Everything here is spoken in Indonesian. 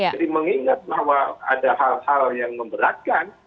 jadi mengingat bahwa ada hal hal yang memberatkan